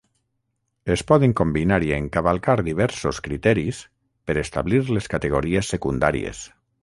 Es poden combinar i encavalcar diversos criteris per establir les categories secundàries.